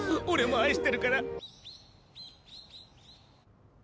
俺も愛してるから！